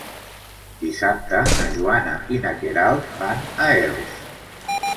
Dissabte na Joana i na Queralt van a Elx.